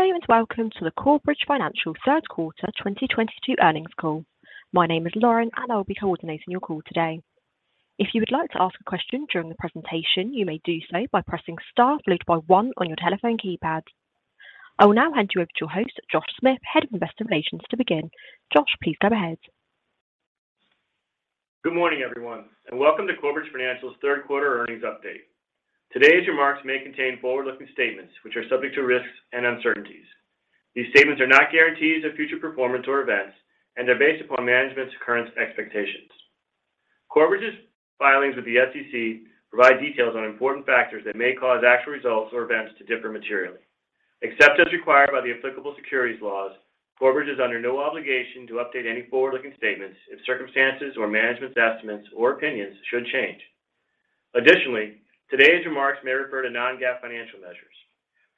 Hello and welcome to the Corebridge Financial third quarter 2022 earnings call. My name is Lauren and I will be coordinating your call today. If you would like to ask a question during the presentation, you may do so by pressing star followed by one on your telephone keypad. I will now hand you over to your host, Josh Smith, Head of Investor Relations, to begin. Josh, please go ahead. Good morning, everyone, and welcome to Corebridge Financial's third quarter earnings update. Today's remarks may contain forward-looking statements which are subject to risks and uncertainties. These statements are not guarantees of future performance or events, and are based upon management's current expectations. Corebridge's filings with the SEC provide details on important factors that may cause actual results or events to differ materially. Except as required by the applicable securities laws, Corebridge is under no obligation to update any forward-looking statements if circumstances or management's estimates or opinions should change. Additionally, today's remarks may refer to Non-GAAP financial measures.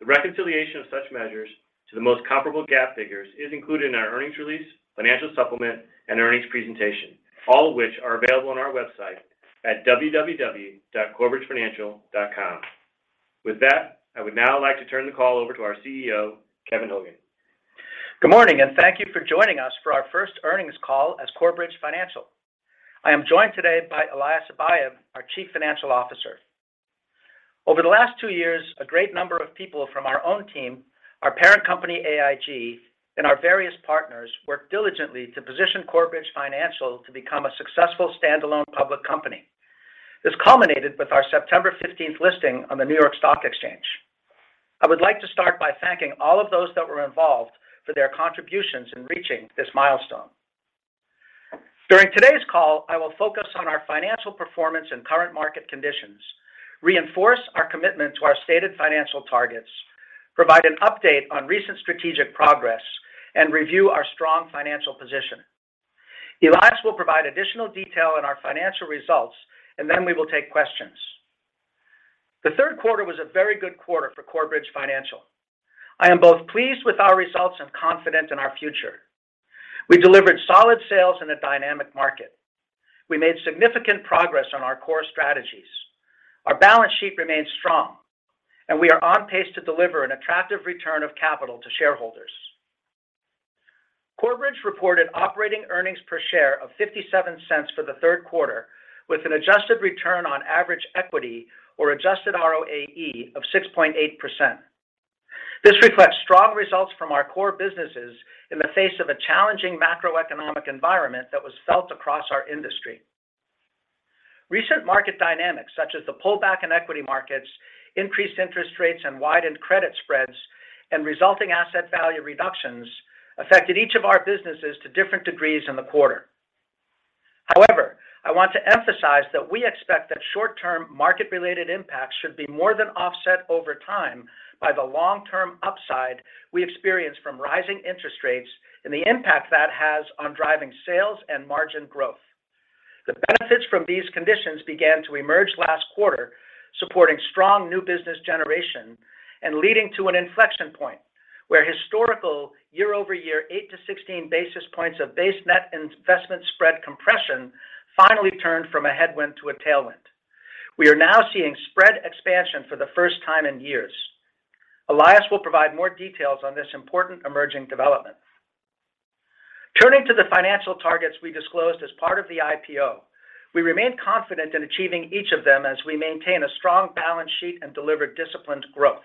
The reconciliation of such measures to the most comparable GAAP figures is included in our earnings release, financial supplement, and earnings presentation, all of which are available on our website at www.corebridgefinancial.com. With that, I would now like to turn the call over to our CEO, Kevin Hogan. Good morning, and thank you for joining us for our first earnings call as Corebridge Financial. I am joined today by Elias Habayeb, our Chief Financial Officer. Over the last two years, a great number of people from our own team, our parent company, AIG, and our various partners worked diligently to position Corebridge Financial to become a successful standalone public company. This culminated with our September fifteenth listing on the New York Stock Exchange. I would like to start by thanking all of those that were involved for their contributions in reaching this milestone. During today's call, I will focus on our financial performance and current market conditions, reinforce our commitment to our stated financial targets, provide an update on recent strategic progress, and review our strong financial position. Elias will provide additional detail on our financial results, and then we will take questions. The third quarter was a very good quarter for Corebridge Financial. I am both pleased with our results and confident in our future. We delivered solid sales in a dynamic market. We made significant progress on our core strategies. Our balance sheet remains strong, and we are on pace to deliver an attractive return of capital to shareholders. Corebridge reported operating earnings per share of $0.57 for the third quarter, with an adjusted return on average equity or adjusted ROAE of 6.8%. This reflects strong results from our core businesses in the face of a challenging macroeconomic environment that was felt across our industry. Recent market dynamics, such as the pullback in equity markets, increased interest rates and widened credit spreads and resulting asset value reductions affected each of our businesses to different degrees in the quarter. However, I want to emphasize that we expect that short-term market-related impacts should be more than offset over time by the long-term upside we experience from rising interest rates and the impact that has on driving sales and margin growth. The benefits from these conditions began to emerge last quarter, supporting strong new business generation and leading to an inflection point where historical year-over-year eight-16 basis points of base net investment spread compression finally turned from a headwind to a tailwind. We are now seeing spread expansion for the first time in years. Elias will provide more details on this important emerging development. Turning to the financial targets we disclosed as part of the IPO, we remain confident in achieving each of them as we maintain a strong balance sheet and deliver disciplined growth.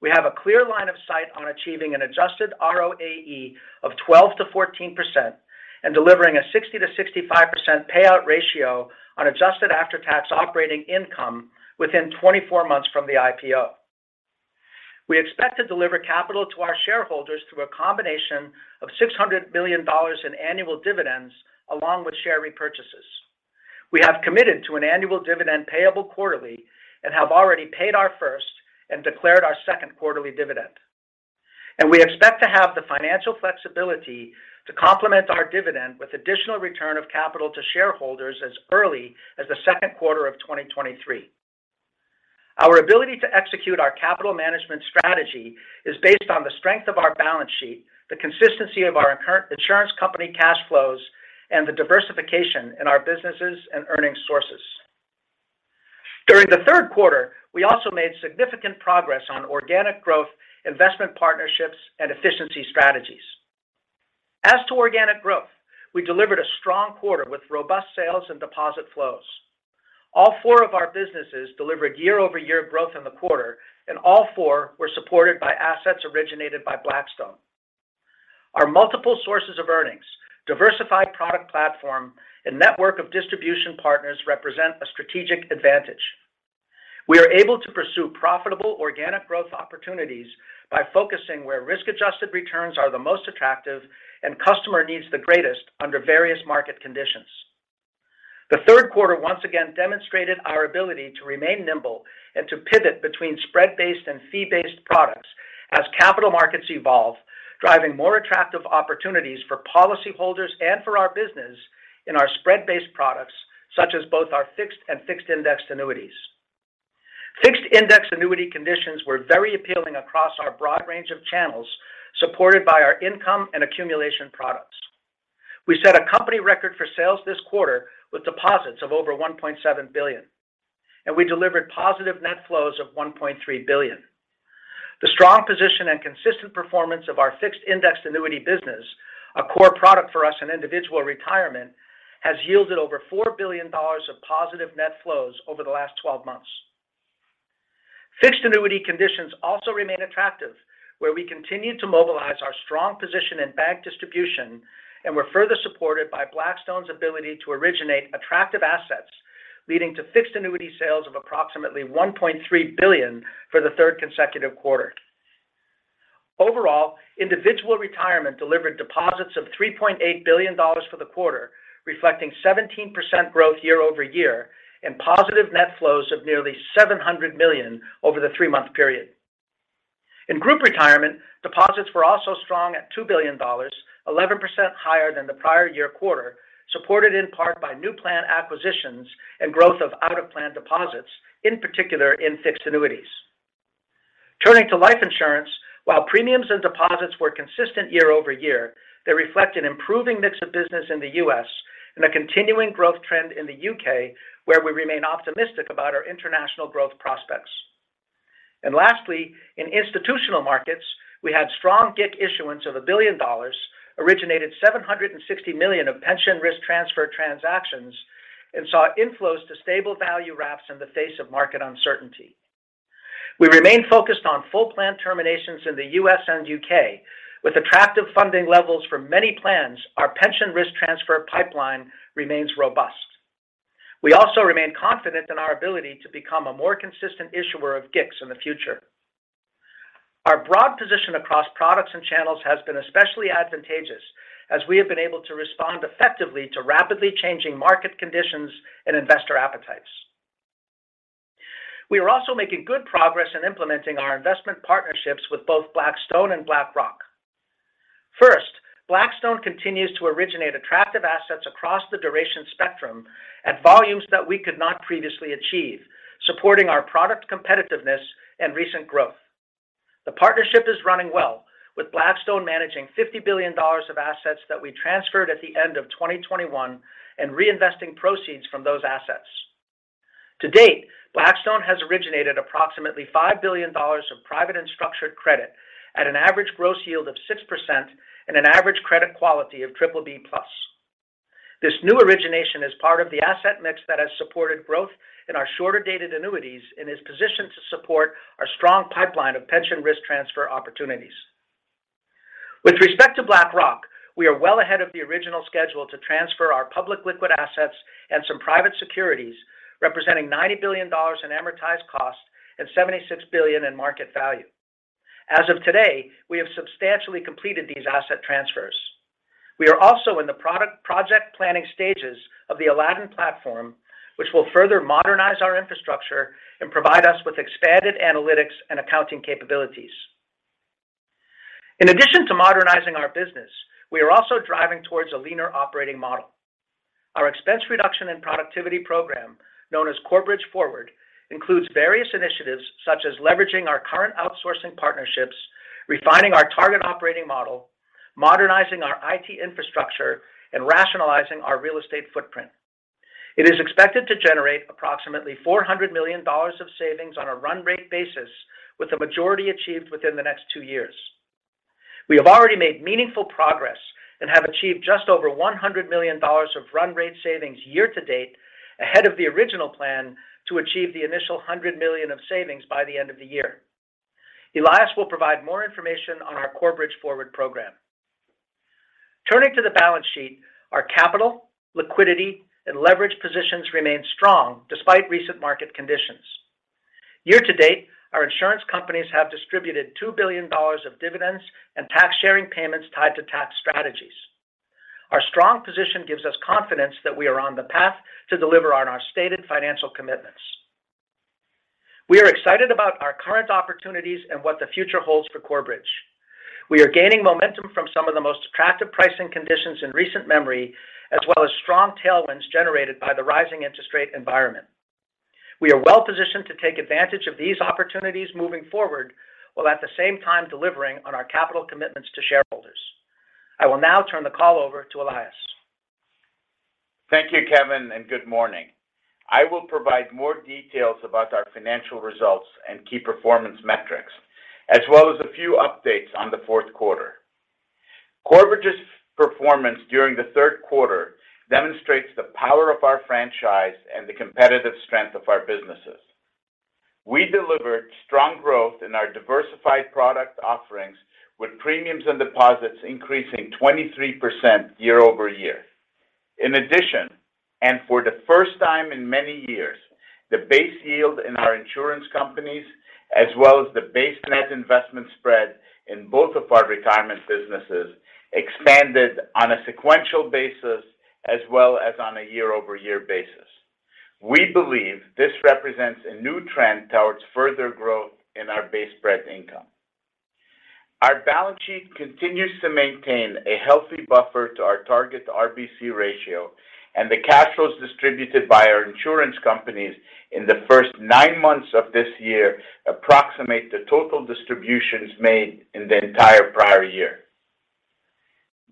We have a clear line of sight on achieving an adjusted ROAE of 12%-14% and delivering a 60%-65% payout ratio on adjusted after-tax operating income within 24 months from the IPO. We expect to deliver capital to our shareholders through a combination of $600 million in annual dividends along with share repurchases. We have committed to an annual dividend payable quarterly and have already paid our first and declared our second quarterly dividend. We expect to have the financial flexibility to complement our dividend with additional return of capital to shareholders as early as the second quarter of 2023. Our ability to execute our capital management strategy is based on the strength of our balance sheet, the consistency of our insurance company cash flows, and the diversification in our businesses and earnings sources. During the third quarter, we also made significant progress on organic growth, investment partnerships, and efficiency strategies. As to organic growth, we delivered a strong quarter with robust sales and deposit flows. All four of our businesses delivered year-over-year growth in the quarter, and all four were supported by assets originated by Blackstone. Our multiple sources of earnings, diversified product platform, and network of distribution partners represent a strategic advantage. We are able to pursue profitable organic growth opportunities by focusing where risk-adjusted returns are the most attractive and customer needs the greatest under various market conditions. The third quarter once again demonstrated our ability to remain nimble and to pivot between spread-based and fee-based products as capital markets evolve, driving more attractive opportunities for policyholders and for our business in our spread-based products, such as both our fixed and fixed indexed annuities. Fixed indexed annuity conditions were very appealing across our broad range of channels, supported by our income and accumulation products. We set a company record for sales this quarter with deposits of over $1.7 billion, and we delivered positive net flows of $1.3 billion. The strong position and consistent performance of our fixed indexed annuity business, a core product for us in Individual Retirement, has yielded over $4 billion of positive net flows over the last 12 months. Fixed annuity conditions also remain attractive, where we continue to mobilize our strong position in bank distribution and we're further supported by Blackstone's ability to originate attractive assets, leading to fixed annuity sales of approximately $1.3 billion for the third consecutive quarter. Overall, Individual Retirement delivered deposits of $3.8 billion for the quarter, reflecting 17% growth year-over-year and positive net flows of nearly $700 million over the three-month period. In Group Retirement, deposits were also strong at $2 billion, 11% higher than the prior year quarter, supported in part by new plan acquisitions and growth of out-of-plan deposits, in particular in fixed annuities. Turning to Life Insurance, while premiums and deposits were consistent year-over-year, they reflect an improving mix of business in the U.S. and a continuing growth trend in the U.K., where we remain optimistic about our international growth prospects. Lastly, in Institutional Markets, we had strong GIC issuance of $1 billion, originated $760 million of pension risk transfer transactions, and saw inflows to stable value wraps in the face of market uncertainty. We remain focused on full plan terminations in the U.S. and U.K. With attractive funding levels for many plans, our pension risk transfer pipeline remains robust. We also remain confident in our ability to become a more consistent issuer of GICs in the future. Our broad position across products and channels has been especially advantageous as we have been able to respond effectively to rapidly changing market conditions and investor appetites. We are also making good progress in implementing our investment partnerships with both Blackstone and BlackRock. First, Blackstone continues to originate attractive assets across the duration spectrum at volumes that we could not previously achieve, supporting our product competitiveness and recent growth. The partnership is running well, with Blackstone managing $50 billion of assets that we transferred at the end of 2021 and reinvesting proceeds from those assets. To date, Blackstone has originated approximately $5 billion of private and structured credit at an average gross yield of 6% and an average credit quality of BBB+. This new origination is part of the asset mix that has supported growth in our shorter-dated annuities and is positioned to support our strong pipeline of pension risk transfer opportunities. With respect to BlackRock, we are well ahead of the original schedule to transfer our public liquid assets and some private securities, representing $90 billion in amortized cost and $76 billion in market value. As of today, we have substantially completed these asset transfers. We are also in the product project planning stages of the Aladdin platform, which will further modernize our infrastructure and provide us with expanded analytics and accounting capabilities. In addition to modernizing our business, we are also driving towards a leaner operating model. Our expense reduction and productivity program, known as Corebridge Forward, includes various initiatives such as leveraging our current outsourcing partnerships, refining our target operating model, modernizing our IT infrastructure, and rationalizing our real estate footprint. It is expected to generate approximately $400 million of savings on a run rate basis, with the majority achieved within the next two years. We have already made meaningful progress and have achieved just over $100 million of run rate savings year to date ahead of the original plan to achieve the initial $100 million of savings by the end of the year. Elias will provide more information on our Corebridge Forward program. Turning to the balance sheet, our capital, liquidity, and leverage positions remain strong despite recent market conditions. Year to date, our insurance companies have distributed $2 billion of dividends and tax sharing payments tied to tax strategies. Our strong position gives us confidence that we are on the path to deliver on our stated financial commitments. We are excited about our current opportunities and what the future holds for Corebridge. We are gaining momentum from some of the most attractive pricing conditions in recent memory, as well as strong tailwinds generated by the rising interest rate environment. We are well positioned to take advantage of these opportunities moving forward, while at the same time delivering on our capital commitments to shareholders. I will now turn the call over to Elias. Thank you, Kevin, and good morning. I will provide more details about our financial results and key performance metrics, as well as a few updates on the fourth quarter. Corebridge's performance during the third quarter demonstrates the power of our franchise and the competitive strength of our businesses. We delivered strong growth in our diversified product offerings, with premiums and deposits increasing 23% year-over-year. In addition, and for the first time in many years, the base yield in our insurance companies, as well as the base net investment spread in both of our retirement businesses, expanded on a sequential basis as well as on a year-over-year basis. We believe this represents a new trend towards further growth in our base spread income. Our balance sheet continues to maintain a healthy buffer to our target RBC ratio, and the cash flows distributed by our insurance companies in the first nine months of this year approximate the total distributions made in the entire prior year.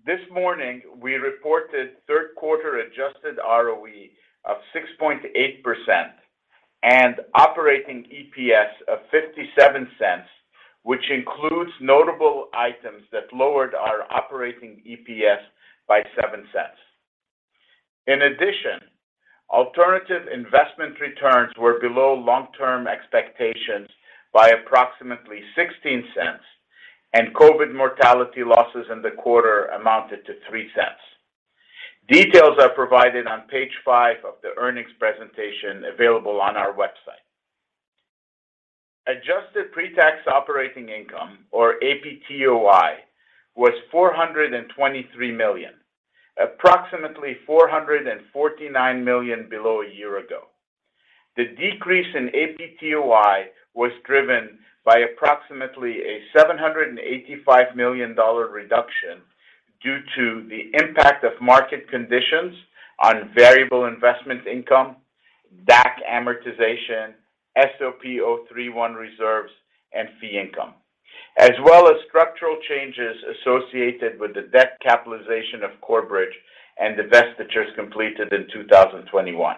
This morning, we reported third quarter adjusted ROE of 6.8% and operating EPS of $0.57, which includes notable items that lowered our operating EPS by $0.07. In addition, alternative investment returns were below long-term expectations by approximately $0.16, and COVID mortality losses in the quarter amounted to $0.03. Details are provided on page five of the earnings presentation available on our website. Adjusted Pre-Tax Operating Income, or APTOI, was $423 million, approximately $449 million below a year ago. The decrease in APTOI was driven by approximately a $785 million reduction due to the impact of market conditions on variable investment income, DAC amortization, SOP 03-1 reserves, and fee income. As well as structural changes associated with the debt capitalization of Corebridge and divestitures completed in 2021.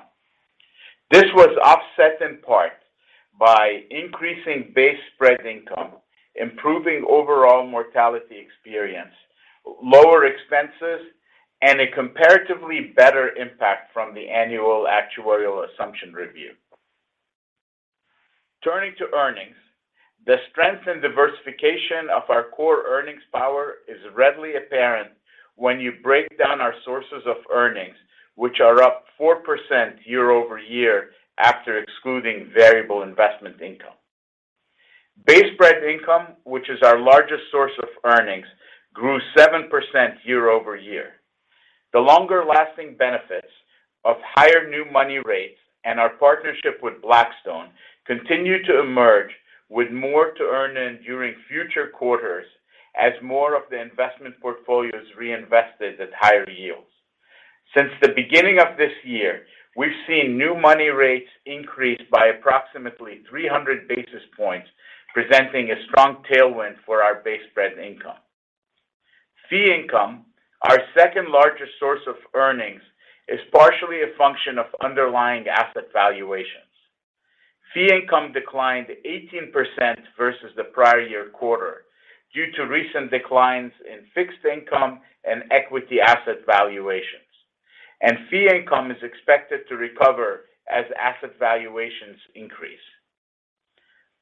This was offset in part by increasing base spread income, improving overall mortality experience, lower expenses, and a comparatively better impact from the annual actuarial assumption review. Turning to earnings, the strength and diversification of our core earnings power is readily apparent when you break down our sources of earnings, which are up 4% year-over-year after excluding variable investment income. Base spread income, which is our largest source of earnings, grew 7% year-over-year. The longer-lasting benefits of higher new money rates and our partnership with Blackstone continue to emerge with more to earn in during future quarters as more of the investment portfolio is reinvested at higher yields. Since the beginning of this year, we've seen new money rates increase by approximately 300 basis points, presenting a strong tailwind for our base spread income. Fee income, our second largest source of earnings, is partially a function of underlying asset valuations. Fee income declined 18% versus the prior year quarter due to recent declines in fixed income and equity asset valuations. Fee income is expected to recover as asset valuations increase.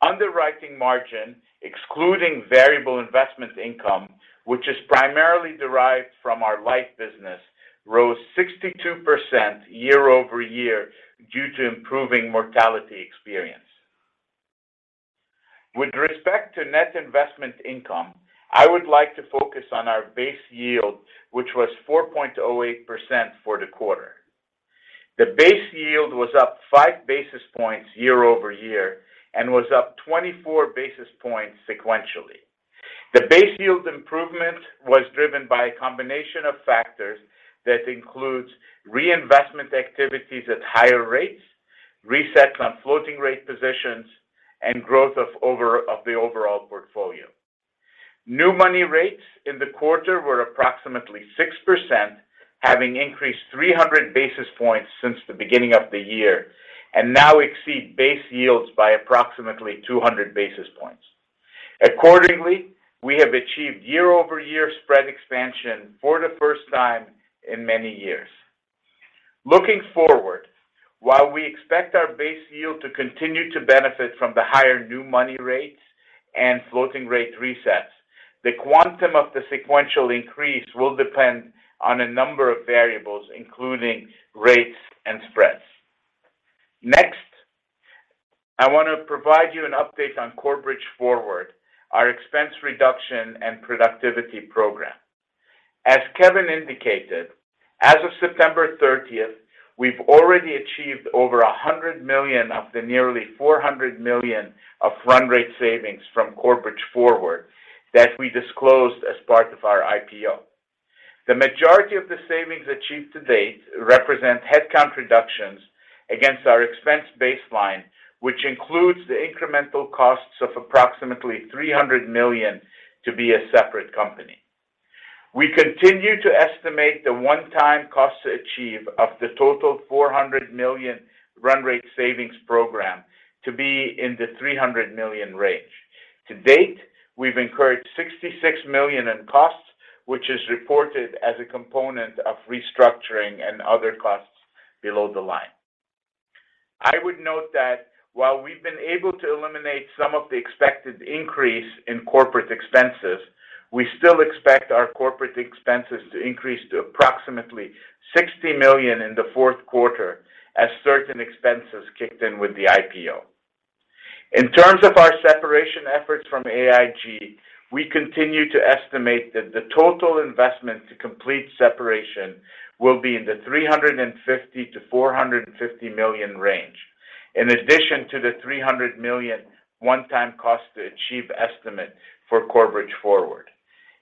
Underwriting margin, excluding variable investment income, which is primarily derived from our life business, rose 62% year over year due to improving mortality experience. With respect to net investment income, I would like to focus on our base yield, which was 4.08% for the quarter. The base yield was up five basis points year-over-year and was up 24 basis points sequentially. The base yield improvement was driven by a combination of factors that includes reinvestment activities at higher rates, resets on floating rate positions, and growth of the overall portfolio. New money rates in the quarter were approximately 6%, having increased 300 basis points since the beginning of the year, and now exceed base yields by approximately 200 basis points. Accordingly, we have achieved year-over-year spread expansion for the first time in many years. Looking forward, while we expect our base yield to continue to benefit from the higher new money rates and floating rate resets, the quantum of the sequential increase will depend on a number of variables, including rates and spreads. Next, I want to provide you an update on Corebridge Forward, our expense reduction and productivity program. As Kevin indicated, as of September 30th, we've already achieved over $100 million of the nearly $400 million of run rate savings from Corebridge Forward that we disclosed as part of our IPO. The majority of the savings achieved to date represent headcount reductions against our expense baseline, which includes the incremental costs of approximately $300 million to be a separate company. We continue to estimate the one-time cost to achieve of the total $400 million run rate savings program to be in the $300 million range. To date, we've incurred $66 million in costs, which is reported as a component of restructuring and other costs below the line. I would note that while we've been able to eliminate some of the expected increase in corporate expenses, we still expect our corporate expenses to increase to approximately $60 million in the fourth quarter as certain expenses kicked in with the IPO. In terms of our separation efforts from AIG, we continue to estimate that the total investment to complete separation will be in the $350 million-$450 million range. In addition to the $300 million one-time cost to achieve estimate for Corebridge Forward.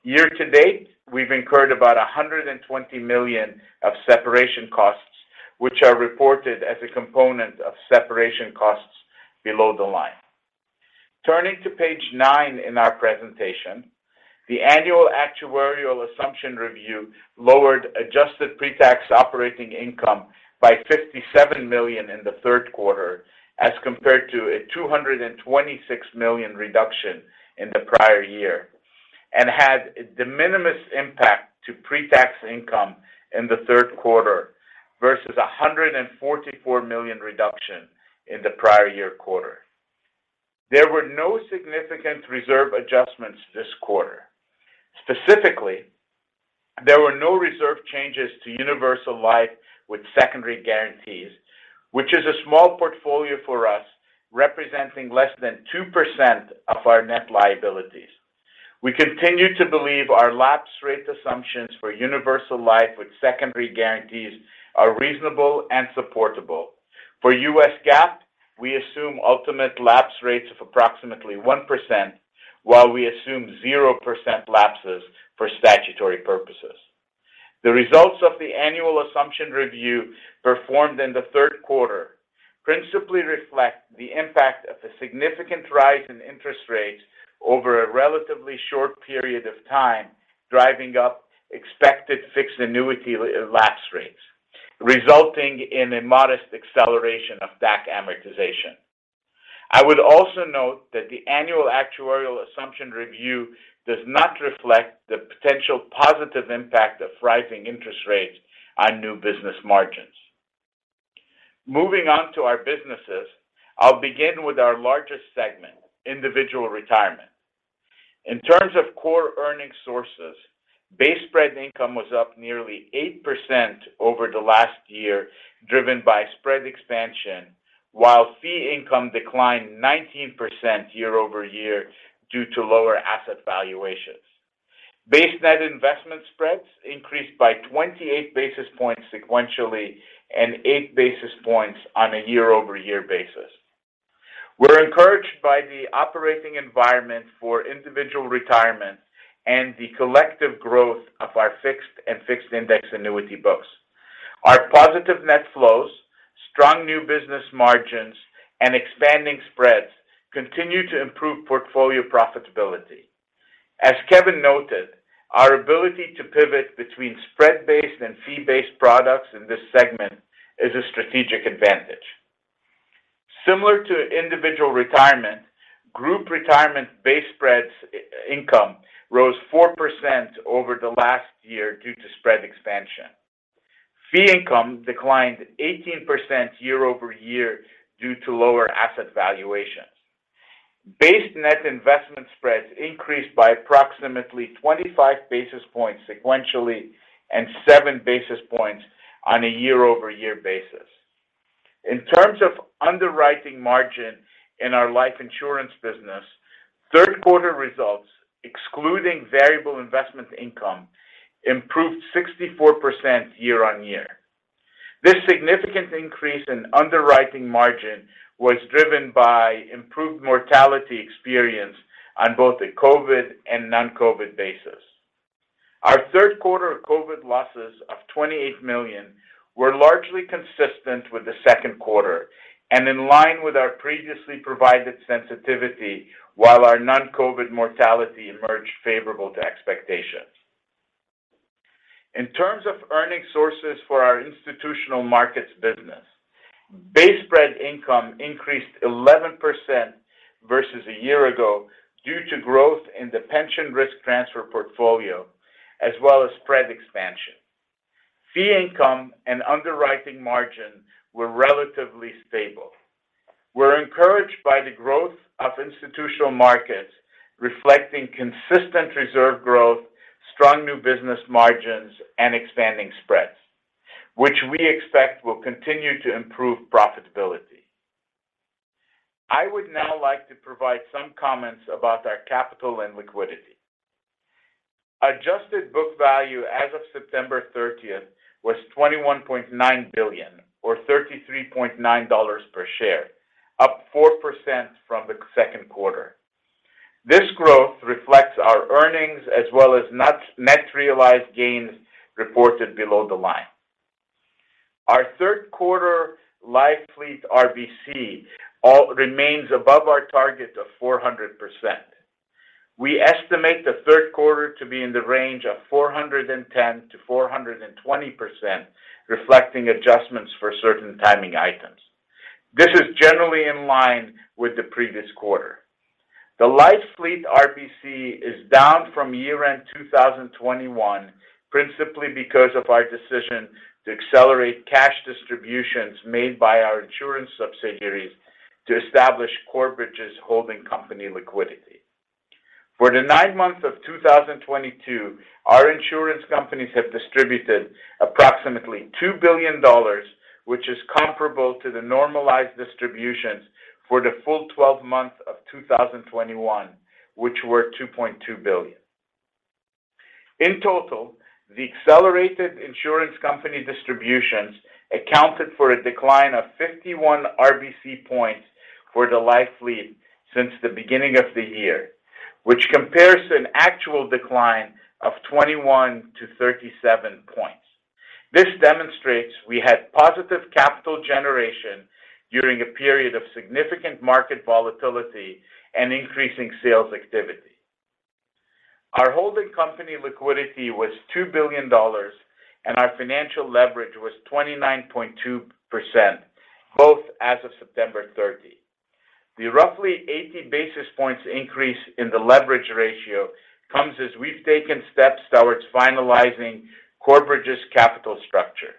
Year to date, we've incurred about $120 million of separation costs, which are reported as a component of separation costs below the line. Turning to page nine in our presentation, the annual actuarial assumption review lowered adjusted pre-tax operating income by $57 million in the third quarter as compared to a $226 million reduction in the prior year, and had de minimis impact to pre-tax income in the third quarter versus a $144 million reduction in the prior year quarter. There were no significant reserve adjustments this quarter. Specifically, there were no reserve changes to universal life with secondary guarantees, which is a small portfolio for us, representing less than 2% of our net liabilities. We continue to believe our lapse rate assumptions for universal life with secondary guarantees are reasonable and supportable. For U.S. GAAP, we assume ultimate lapse rates of approximately 1%, while we assume 0% lapses for statutory purposes. The results of the annual assumption review performed in the third quarter principally reflect the impact of the significant rise in interest rates over a relatively short period of time, driving up expected fixed annuity lapse rates, resulting in a modest acceleration of DAC amortization. I would also note that the annual actuarial assumption review does not reflect the potential positive impact of rising interest rates on new business margins. Moving on to our businesses, I'll begin with our largest segment, Individual Retirement. In terms of core earnings sources, base spread income was up nearly 8% over the last year, driven by spread expansion, while fee income declined 19% year-over-year due to lower asset valuations. Base net investment spreads increased by 28 basis points sequentially and eight basis points on a year-over-year basis. We're encouraged by the operating environment for Individual Retirement and the collective growth of our fixed and fixed-index annuity books. Our positive net flows, strong new business margins, and expanding spreads continue to improve portfolio profitability. As Kevin noted, our ability to pivot between spread-based and fee-based products in this segment is a strategic advantage. Similar to Individual Retirement, Group Retirement base spreads income rose 4% over the last year due to spread expansion. Fee income declined 18% year-over-year due to lower asset valuations. Base net investment spreads increased by approximately 25 basis points sequentially and seven basis points on a year-over-year basis. In terms of underwriting margin in our Life Insurance business, third quarter results, excluding variable investment income, improved 64% year-over-year. This significant increase in underwriting margin was driven by improved mortality experience on both a COVID and non-COVID basis. Our third quarter COVID losses of $28 million were largely consistent with the second quarter and in line with our previously provided sensitivity, while our non-COVID mortality emerged favorable to expectations. In terms of earnings sources for our Institutional Markets business, base spread income increased 11% versus a year ago due to growth in the pension risk transfer portfolio, as well as spread expansion. Fee income and underwriting margin were relatively stable. We're encouraged by the growth of Institutional Markets, reflecting consistent reserve growth, strong new business margins, and expanding spreads, which we expect will continue to improve profitability. I would now like to provide some comments about our capital and liquidity. Adjusted book value as of September 30th was $21.9 billion or $33.9 per share, up 4% from the second quarter. This growth reflects our earnings as well as net realized gains reported below the line. Our third quarter Life Fleet RBC remains above our target of 400%. We estimate the third quarter to be in the range of 410%-420%, reflecting adjustments for certain timing items. This is generally in line with the previous quarter. The Life Fleet RBC is down from year-end 2021, principally because of our decision to accelerate cash distributions made by our insurance subsidiaries to establish Corebridge's holding company liquidity. For the nine months of 2022, our insurance companies have distributed approximately $2 billion, which is comparable to the normalized distributions for the full 12 months of 2021, which were $2.2 billion. In total, the accelerated insurance company distributions accounted for a decline of 51 RBC points for the Life Fleet since the beginning of the year, which compares to an actual decline of 21-37 points. This demonstrates we had positive capital generation during a period of significant market volatility and increasing sales activity. Our holding company liquidity was $2 billion, and our financial leverage was 29.2%, both as of September 30. The roughly 80 basis points increase in the leverage ratio comes as we've taken steps towards finalizing Corebridge's capital structure.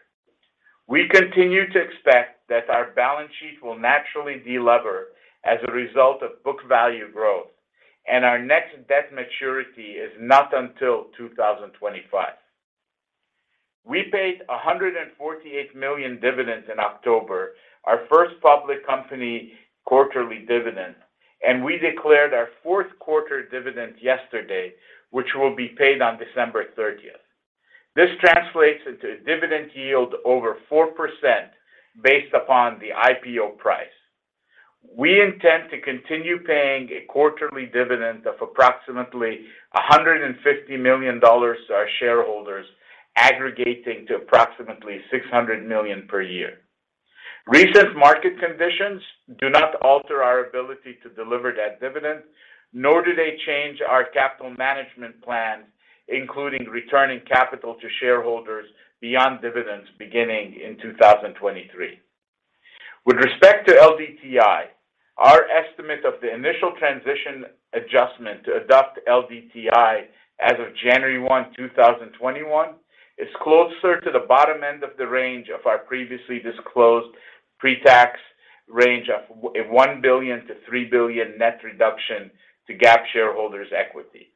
We continue to expect that our balance sheet will naturally de-lever as a result of book value growth, and our next debt maturity is not until 2025. We paid $148 million dividends in October, our first public company quarterly dividend, and we declared our fourth quarter dividends yesterday, which will be paid on December 30th. This translates into a dividend yield over 4% based upon the IPO price. We intend to continue paying a quarterly dividend of approximately $150 million to our shareholders, aggregating to approximately $600 million per year. Recent market conditions do not alter our ability to deliver that dividend, nor do they change our capital management plans, including returning capital to shareholders beyond dividends beginning in 2023. With respect to LDTI, our estimate of the initial transition adjustment to adopt LDTI as of January 1, 2021 is closer to the bottom end of the range of our previously disclosed pre-tax range of $1 billion-$3 billion net reduction to GAAP shareholders' equity.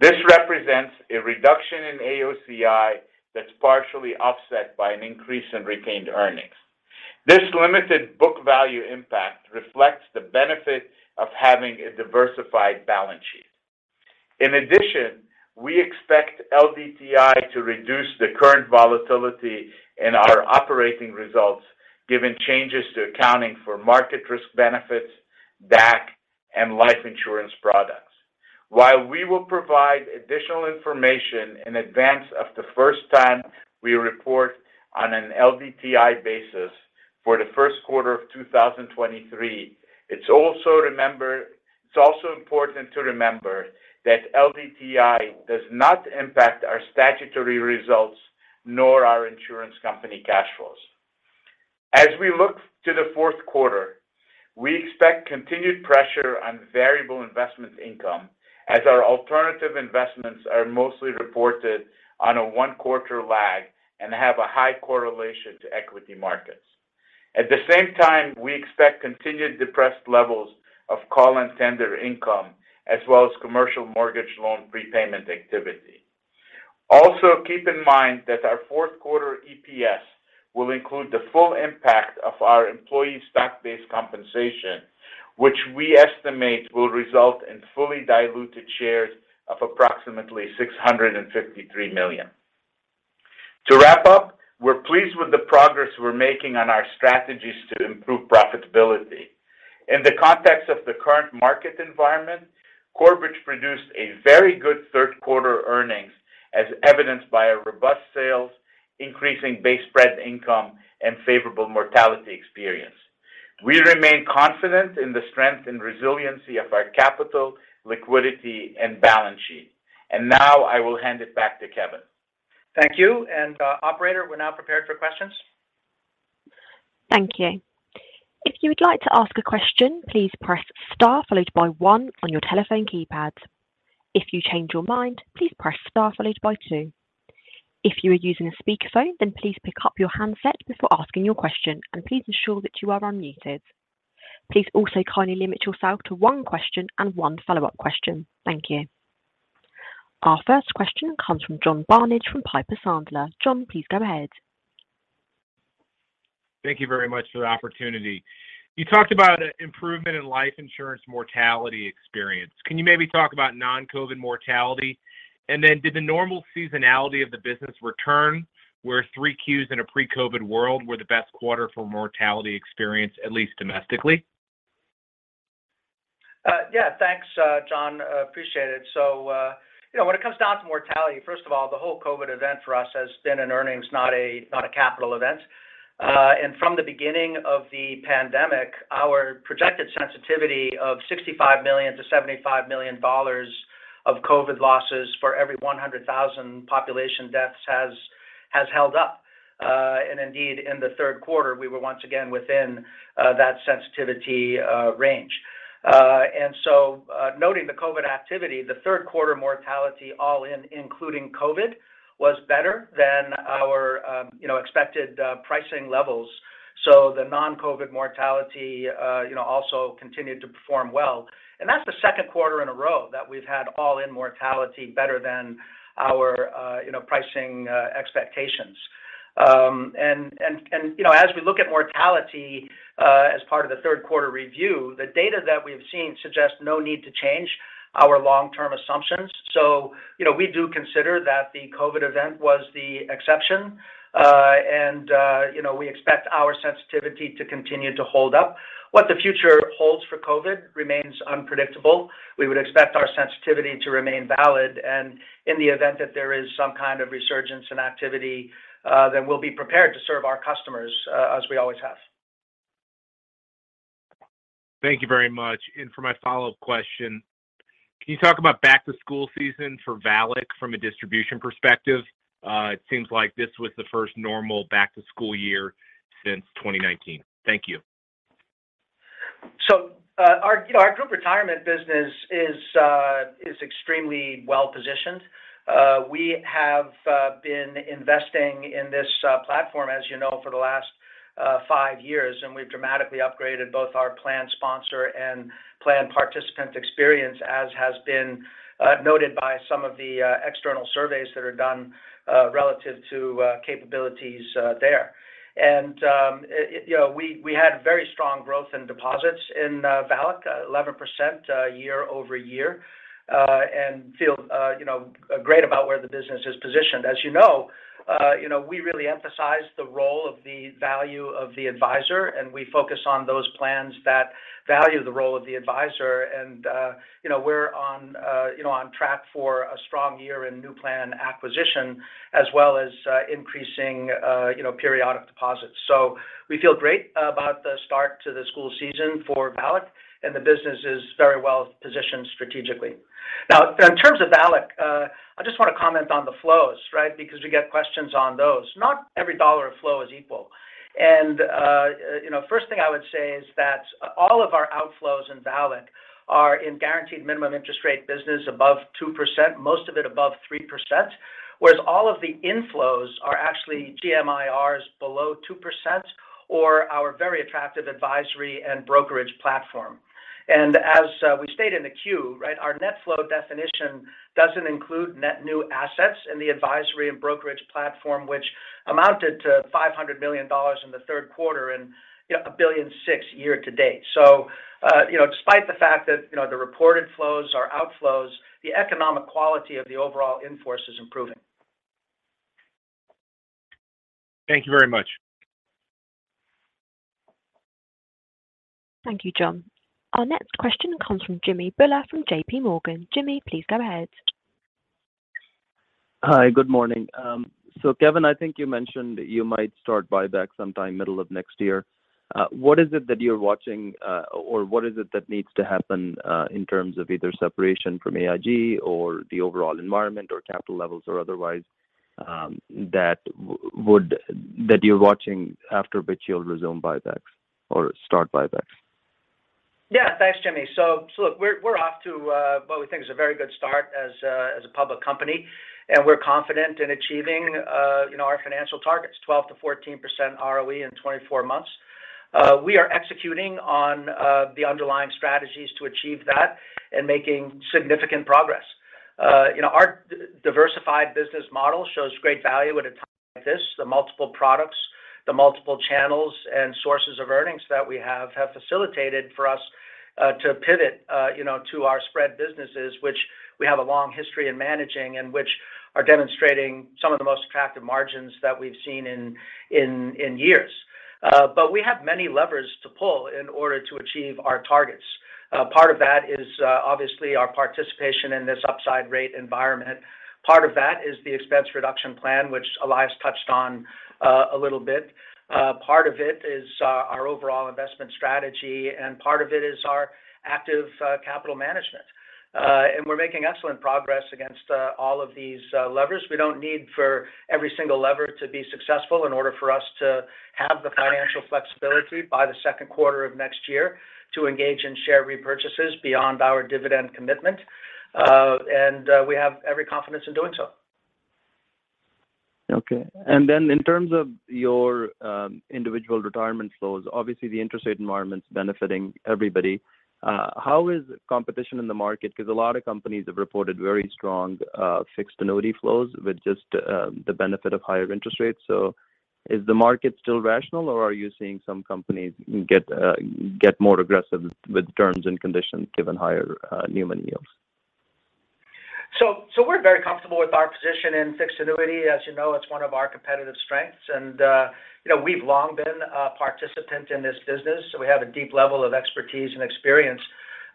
This represents a reduction in AOCI that's partially offset by an increase in retained earnings. This limited book value impact reflects the benefit of having a diversified balance sheet. In addition, we expect LDTI to reduce the current volatility in our operating results, given changes to accounting for market risk benefits, DAC, and life insurance products. While we will provide additional information in advance of the first time we report on an LDTI basis for the first quarter of 2023, it's also important to remember that LDTI does not impact our statutory results nor our insurance company cash flows. As we look to the fourth quarter, we expect continued pressure on variable investment income as our alternative investments are mostly reported on a one-quarter lag and have a high correlation to equity markets. At the same time, we expect continued depressed levels of call and tender income, as well as commercial mortgage loan prepayment activity. Also, keep in mind that our fourth quarter EPS will include the full impact of our employee stock-based compensation, which we estimate will result in fully diluted shares of approximately 653 million. To wrap up, we're pleased with the progress we're making on our strategies to improve profitability. In the context of the current market environment, Corebridge produced a very good third quarter earnings as evidenced by a robust sales, increasing base spread income, and favorable mortality experience. We remain confident in the strength and resiliency of our capital, liquidity, and balance sheet. Now I will hand it back to Kevin. Thank you. Operator, we're now prepared for questions. Thank you. If you would like to ask a question, please press Star followed by one on your telephone keypads. If you change your mind, please press Star followed by two. If you are using a speakerphone, then please pick up your handset before asking your question, and please ensure that you are unmuted. Please also kindly limit yourself to one question and one follow-up question. Thank you. Our first question comes from John Barnidge from Piper Sandler. John, please go ahead. Thank you very much for the opportunity. You talked about improvement in life insurance mortality experience. Can you maybe talk about non-COVID mortality? Then did the normal seasonality of the business return, where three Qs in a pre-COVID world were the best quarter for mortality experience, at least domestically? Yeah. Thanks, John. Appreciate it. You know, when it comes down to mortality, first of all, the whole COVID event for us has been an earnings, not a capital event. From the beginning of the pandemic, our projected sensitivity of $65 million-$75 million of COVID losses for every 100,000 population deaths has held up. Indeed, in the third quarter, we were once again within that sensitivity range. Noting the COVID activity, the third quarter mortality all in, including COVID, was better than our expected pricing levels. The non-COVID mortality also continued to perform well. That's the second quarter in a row that we've had all-in mortality better than our pricing expectations. you know, as we look at mortality, as part of the third quarter review, the data that we've seen suggests no need to change our long-term assumptions. you know, we do consider that the COVID event was the exception. You know, we expect our sensitivity to continue to hold up. What the future holds for COVID remains unpredictable. We would expect our sensitivity to remain valid, and in the event that there is some kind of resurgence in activity, then we'll be prepared to serve our customers as we always have. Thank you very much. For my follow-up question, can you talk about back-to-school season for VALIC from a distribution perspective? It seems like this was the first normal back-to-school year since 2019. Thank you. Our, you know, our Group Retirement business is extremely well-positioned. We have been investing in this platform, as you know, for the last five years, and we've dramatically upgraded both our plan sponsor and plan participant experience, as has been noted by some of the external surveys that are done relative to capabilities there. You know, we had very strong growth in deposits in VALIC, 11% year-over-year, and feel you know great about where the business is positioned. As you know, you know, we really emphasize the role of the value of the advisor, and we focus on those plans that value the role of the advisor. You know, we're on, you know, on track for a strong year in new plan acquisition as well as increasing, you know, periodic deposits. We feel great about the start to the school season for VALIC, and the business is very well-positioned strategically. Now, in terms of VALIC, I just want to comment on the flows, right? Because we get questions on those. Not every dollar of flow is equal. You know, first thing I would say is that all of our outflows in VALIC are in guaranteed minimum interest rate business above 2%, most of it above 3%, whereas all of the inflows are actually GMIRs below 2% or our very attractive advisory and brokerage platform. As we stated in the queue, right, our net flow definition doesn't include net new assets in the advisory and brokerage platform, which amounted to $500 million in the third quarter and, you know, $1.6 billion year to date. Despite the fact that, you know, the reported flows are outflows, the economic quality of the overall in-force is improving. Thank you very much. Thank you, John. Our next question comes from Jimmy Bhullar from J.P. Morgan. Jimmy, please go ahead. Hi, good morning. Kevin, I think you mentioned you might start buyback sometime middle of next year. What is it that you're watching, or what is it that needs to happen in terms of either separation from AIG or the overall environment or capital levels or otherwise, that you're watching after which you'll resume buybacks or start buybacks? Yeah, thanks, Jimmy. Look, we're off to what we think is a very good start as a public company, and we're confident in achieving, you know, our financial targets, 12%-14% ROE in 24 months. We are executing on the underlying strategies to achieve that and making significant progress. You know, our diversified business model shows great value at a time like this. The multiple products, the multiple channels and sources of earnings that we have facilitated for us to pivot, you know, to our spread businesses, which we have a long history in managing and which are demonstrating some of the most attractive margins that we've seen in years. We have many levers to pull in order to achieve our targets. Part of that is obviously our participation in this upside rate environment. Part of that is the expense reduction plan, which Elias touched on a little bit. Part of it is our overall investment strategy, and part of it is our active capital management. We're making excellent progress against all of these levers. We don't need for every single lever to be successful in order for us to have the financial flexibility by the second quarter of next year to engage in share repurchases beyond our dividend commitment. We have every confidence in doing so. Okay. In terms of your Individual Retirement flows, obviously the interest rate environment's benefiting everybody. How is competition in the market? Because a lot of companies have reported very strong Fixed Annuity flows with just the benefit of higher interest rates. Is the market still rational, or are you seeing some companies get more aggressive with terms and conditions given higher new money yields? We're very comfortable with our position in fixed annuity. As you know, it's one of our competitive strengths. You know, we've long been a participant in this business, so we have a deep level of expertise and experience.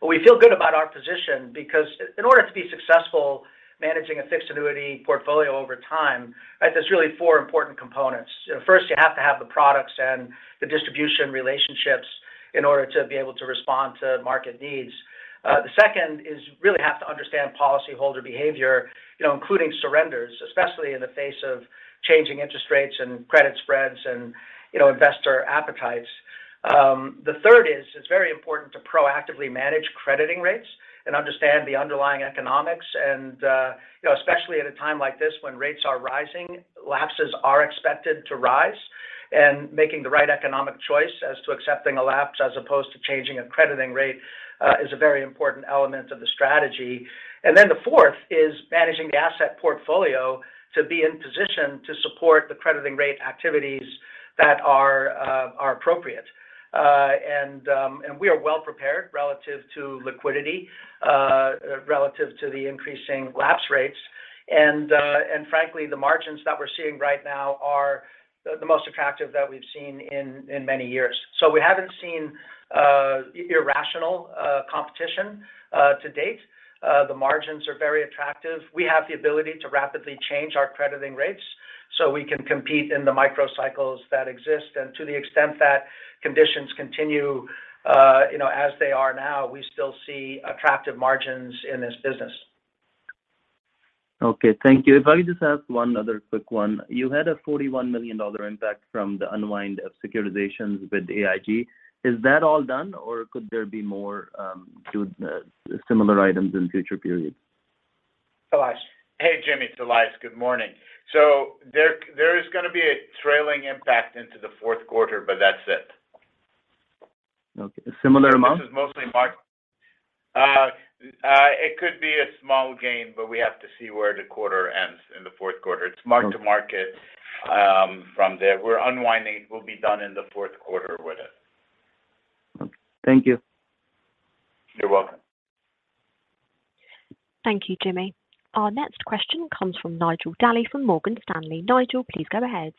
We feel good about our position because in order to be successful managing a fixed annuity portfolio over time, right, there's really four important components. First, you have to have the products and the distribution relationships in order to be able to respond to market needs. The second is you really have to understand policyholder behavior, you know, including surrenders, especially in the face of changing interest rates and credit spreads and, you know, investor appetites. The third is it's very important to proactively manage crediting rates and understand the underlying economics. You know, especially at a time like this when rates are rising, lapses are expected to rise. Making the right economic choice as to accepting a lapse as opposed to changing a crediting rate is a very important element of the strategy. Then the fourth is managing the asset portfolio to be in position to support the crediting rate activities that are appropriate. We are well prepared relative to liquidity, relative to the increasing lapse rates. Frankly, the margins that we're seeing right now are the most attractive that we've seen in many years. We haven't seen irrational competition to date. The margins are very attractive. We have the ability to rapidly change our crediting rates so we can compete in the micro cycles that exist. To the extent that conditions continue, you know, as they are now, we still see attractive margins in this business. Okay. Thank you. If I could just ask one other quick one. You had a $41 million impact from the unwind of securitizations with AIG. Is that all done, or could there be more to similar items in future periods? Elias. Hey, Jimmy. It's Elias. Good morning. There is gonna be a trailing impact into the fourth quarter, but that's it. Okay. A similar amount? This is mostly flat. It could be a small gain, but we have to see where the quarter ends in the fourth quarter. Okay. It's mark-to-market from there. We're unwinding. We'll be done in the fourth quarter with it. Okay. Thank you. You're welcome. Thank you, Jimmy. Our next question comes from Nigel Dally from Morgan Stanley. Nigel, please go ahead.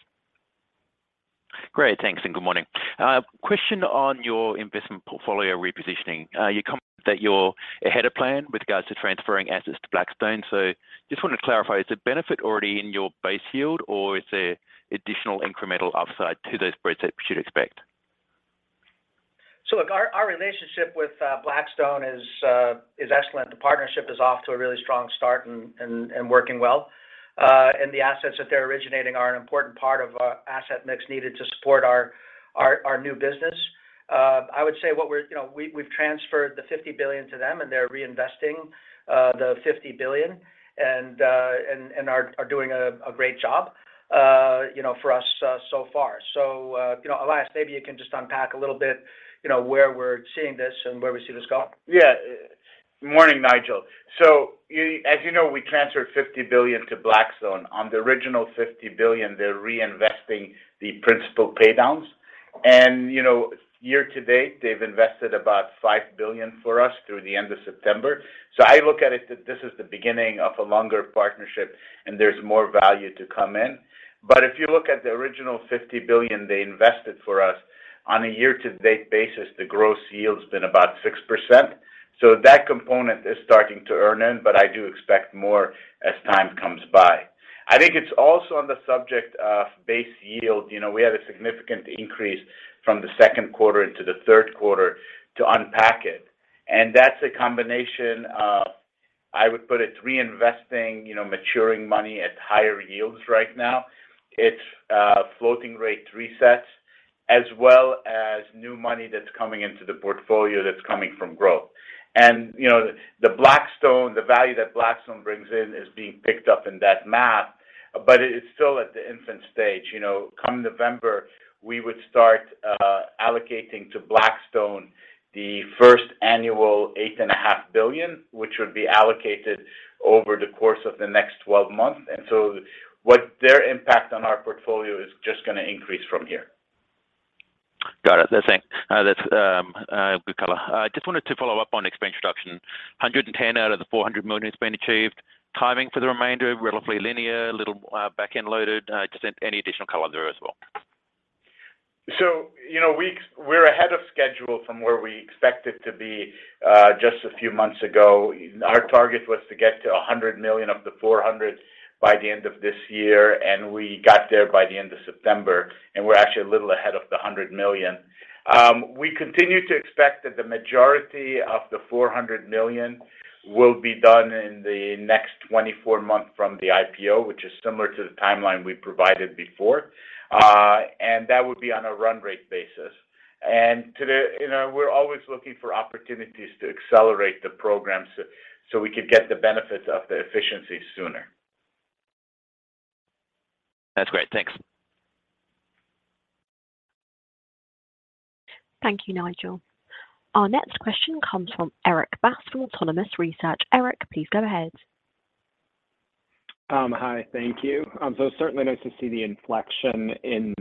Great. Thanks, and good morning. Question on your investment portfolio repositioning. You commented that you're ahead of plan with regards to transferring assets to Blackstone. Just wanted to clarify, is the benefit already in your base yield, or is there additional incremental upside to those spreads that we should expect? Look, our relationship with Blackstone is excellent. The partnership is off to a really strong start and working well. The assets that they're originating are an important part of our asset mix needed to support our new business. I would say you know, we've transferred the $50 billion to them, and they're reinvesting the $50 billion and are doing a great job, you know, for us so far. You know, Elias, maybe you can just unpack a little bit, you know, where we're seeing this and where we see this going. Yeah. Morning, Nigel. As you know, we transferred $50 billion to Blackstone. On the original $50 billion, they're reinvesting the principal pay downs. You know, year to date, they've invested about $5 billion for us through the end of September. I look at it that this is the beginning of a longer partnership, and there's more value to come in. If you look at the original $50 billion they invested for us, on a year to date basis, the gross yield's been about 6%. That component is starting to earn in, but I do expect more as time comes by. I think it's also on the subject of base yield. You know, we had a significant increase from the second quarter into the third quarter to unpack it, and that's a combination of, I would put it, reinvesting, you know, maturing money at higher yields right now. It's floating rate resets, as well as new money that's coming into the portfolio that's coming from growth. You know, the Blackstone, the value that Blackstone brings in is being picked up in that math, but it's still at the infant stage. You know, come November, we would start allocating to Blackstone the first annual $8.5 billion, which would be allocated over the course of the next 12 months. What their impact on our portfolio is just gonna increase from here. Got it. That's it. That's good color. I just wanted to follow up on expense reduction. 110 out of the $400 million has been achieved. Timing for the remainder, relatively linear, a little back-end loaded. Just any additional color there as well. You know, we're ahead of schedule from where we expected to be just a few months ago. Our target was to get to $100 million of the $400 million by the end of this year, and we got there by the end of September, and we're actually a little ahead of the $100 million. We continue to expect that the majority of the $400 million will be done in the next 24 months from the IPO, which is similar to the timeline we provided before. That would be on a run rate basis. You know, we're always looking for opportunities to accelerate the programs so we could get the benefits of the efficiency sooner. That's great. Thanks. Thank you, Nigel. Our next question comes from Erik Bass from Autonomous Research. Erik, please go ahead. Hi. Thank you. Certainly nice to see the inflection in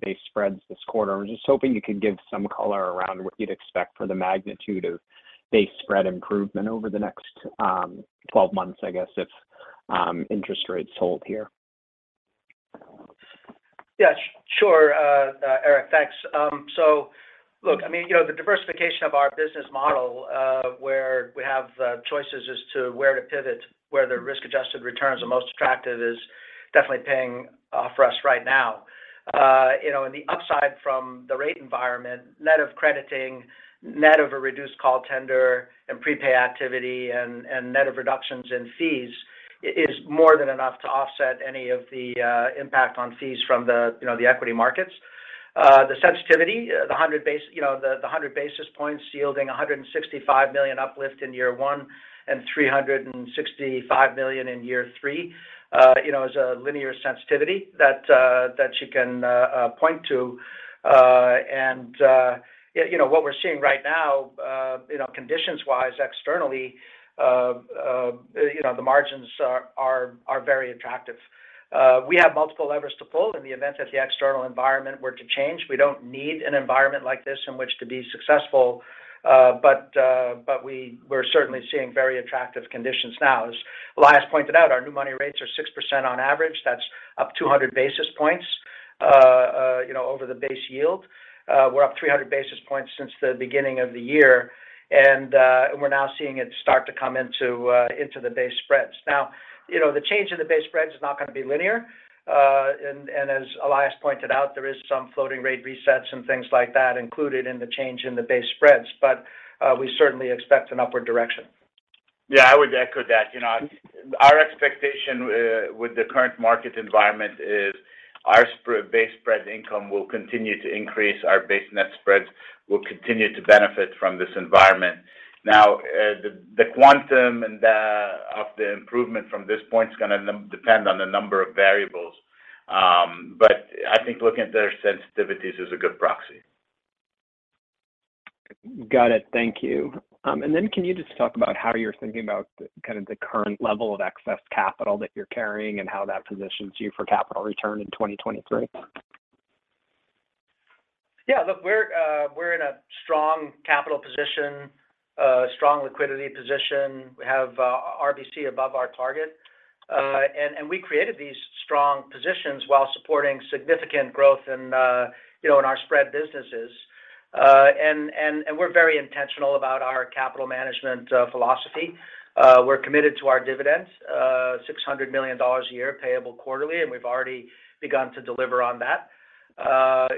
base spreads this quarter. I'm just hoping you could give some color around what you'd expect for the magnitude of base spread improvement over the next 12 months, I guess, if interest rates hold here. Yeah, sure, Erik. Thanks. Look, I mean, you know, the diversification of our business model, where we have choices as to where to pivot, where the risk-adjusted returns are most attractive is definitely paying for us right now. You know, the upside from the rate environment, net of crediting, net of reduced call tender and prepay activity and net of reductions in fees is more than enough to offset any of the impact on fees from the equity markets. The sensitivity, the 100 basis points yielding a $165 million uplift in year one and $365 million in year three, you know, is a linear sensitivity that you can point to. You know, what we're seeing right now, you know, conditions-wise externally, you know, the margins are very attractive. We have multiple levers to pull in the event that the external environment were to change. We don't need an environment like this in which to be successful, but we're certainly seeing very attractive conditions now. As Elias pointed out, our new money rates are 6% on average. That's up 200 basis points over the base yield. We're up 300 basis points since the beginning of the year, and we're now seeing it start to come into the base spreads. Now, the change in the base spreads is not gonna be linear. As Elias pointed out, there is some floating rate resets and things like that included in the change in the base spreads. We certainly expect an upward direction. Yeah, I would echo that. You know, our expectation with the current market environment is our base spread income will continue to increase. Our base net spreads will continue to benefit from this environment. Now, the quantum of the improvement from this point is gonna depend on the number of variables. I think looking at their sensitivities is a good proxy. Got it. Thank you. Can you just talk about how you're thinking about kind of the current level of excess capital that you're carrying and how that positions you for capital return in 2023? Yeah. Look, we're in a strong capital position, a strong liquidity position. We have RBC above our target. We created these strong positions while supporting significant growth in, you know, in our spread businesses. We're very intentional about our capital management philosophy. We're committed to our dividends, $600 million a year payable quarterly, and we've already begun to deliver on that.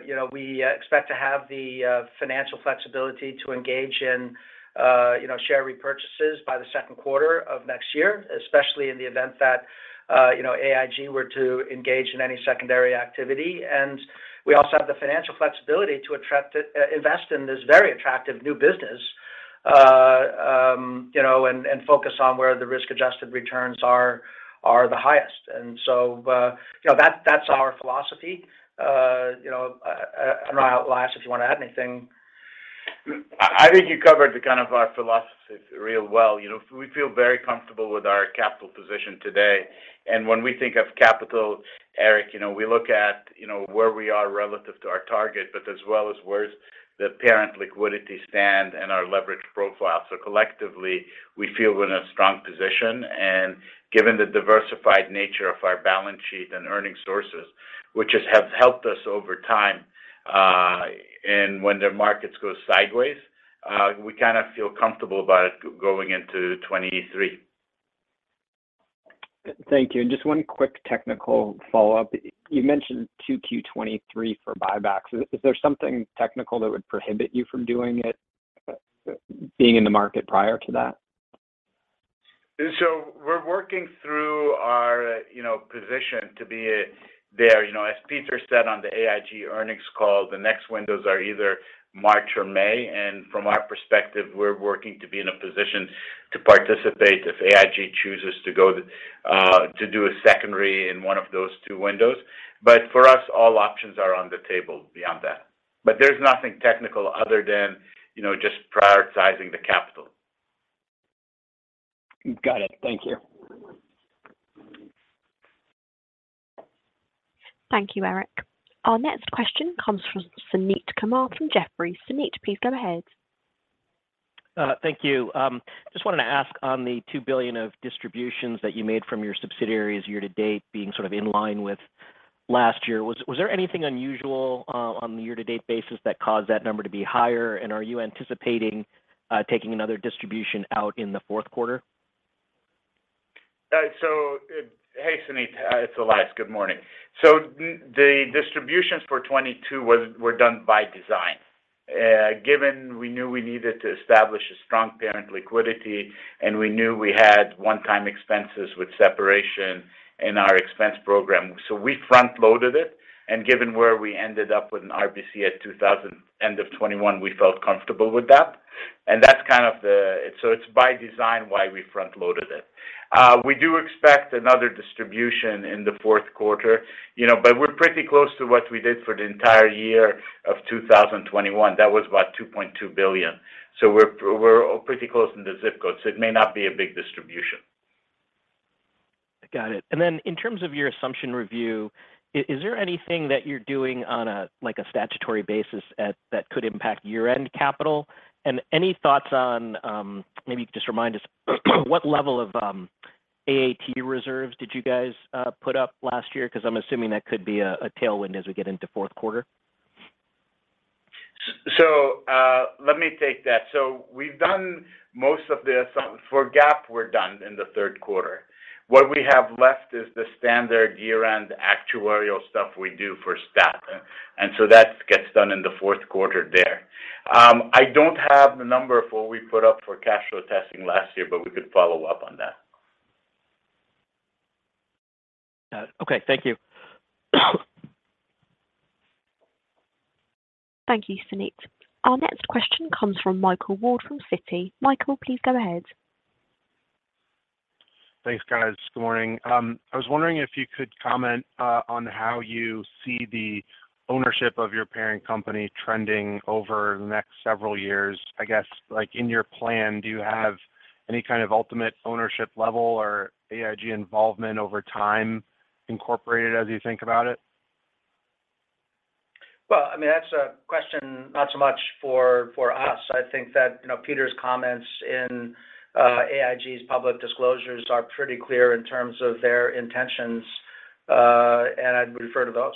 You know, we expect to have the financial flexibility to engage in, you know, share repurchases by the second quarter of next year, especially in the event that, you know, AIG were to engage in any secondary activity. We also have the financial flexibility to attract, invest in this very attractive new business, you know, and focus on where the risk-adjusted returns are the highest. You know, that's our philosophy. You know, I don't know, Elias, if you want to add anything. I think you covered the kind of our philosophy real well. You know, we feel very comfortable with our capital position today. When we think of capital, Erik, you know, we look at, you know, where we are relative to our target, but as well as where the parent liquidity stand and our leverage profile. Collectively, we feel we're in a strong position, and given the diversified nature of our balance sheet and earning sources, which has helped us over time, and when the markets go sideways, we kind of feel comfortable about it going into 2023. Thank you. Just one quick technical follow-up. You mentioned 2Q23 for buybacks. Is there something technical that would prohibit you from doing it, being in the market prior to that? We're working through our, you know, position to be there. You know, as Peter said on the AIG earnings call, the next windows are either March or May, and from our perspective, we're working to be in a position to participate if AIG chooses to go, to do a secondary in one of those two windows. For us, all options are on the table beyond that. There's nothing technical other than, you know, just prioritizing the capital. Got it. Thank you. Thank you, Erik. Our next question comes from Suneet Kamath from Jefferies. Suneet, please go ahead. Thank you. Just wanted to ask on the $2 billion of distributions that you made from your subsidiaries year to date being sort of in line with last year. Was there anything unusual on the year to date basis that caused that number to be higher? Are you anticipating taking another distribution out in the fourth quarter? Hey, Suneet. It's Elias. Good morning. The distributions for 2022 were done by design, given we knew we needed to establish a strong parent liquidity, and we knew we had one-time expenses with separation in our expense program. We front-loaded it, and given where we ended up with an RBC at 200% end of 2021, we felt comfortable with that. That's kind of the. It's by design why we front-loaded it. We do expect another distribution in the fourth quarter, you know, but we're pretty close to what we did for the entire year of 2021. That was about $2.2 billion. We're pretty close in the ZIP code, so it may not be a big distribution. Got it. In terms of your assumption review, is there anything that you're doing on a, like, a statutory basis that could impact year-end capital? Any thoughts on, maybe just remind us what level of AAT reserves did you guys put up last year? 'Cause I'm assuming that could be a tailwind as we get into fourth quarter. Let me take that. For GAAP, we're done in the third quarter. What we have left is the standard year-end actuarial stuff we do for stat. That gets done in the fourth quarter there. I don't have the number for what we put up for cash flow testing last year, but we could follow up on that. Got it. Okay. Thank you Thank you, Suneet. Our next question comes from Michael Ward from Citi. Michael, please go ahead. Thanks, guys. Good morning. I was wondering if you could comment on how you see the ownership of your parent company trending over the next several years. I guess, like in your plan, do you have any kind of ultimate ownership level or AIG involvement over time incorporated as you think about it? Well, I mean, that's a question not so much for us. I think that, you know, Peter's comments in AIG's public disclosures are pretty clear in terms of their intentions, and I'd refer to those.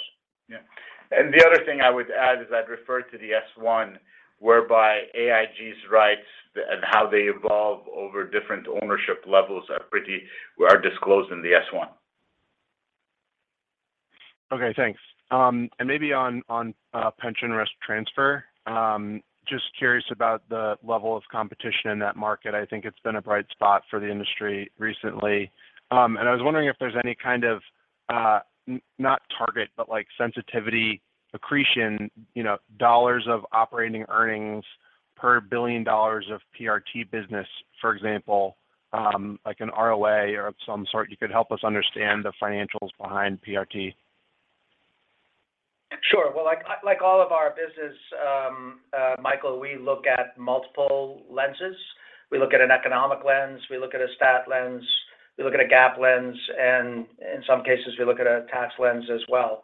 The other thing I would add is I'd refer to the S-1, whereby AIG's rights and how they evolve over different ownership levels are disclosed in the S-1. Okay, thanks. Maybe on pension risk transfer, just curious about the level of competition in that market. I think it's been a bright spot for the industry recently. I was wondering if there's any kind of not target, but like sensitivity accretion, you know, dollars of operating earnings per $1 billion of PRT business, for example, like an ROA of some sort, you could help us understand the financials behind PRT. Sure. Well, like all of our business, Michael, we look at multiple lenses. We look at an economic lens, we look at a stat lens, we look at a GAAP lens, and in some cases, we look at a tax lens as well.